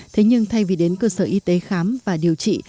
thế nhưng thay vì đến cơ sở y tế khám và điều trị